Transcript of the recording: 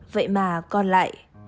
vậy mà con lại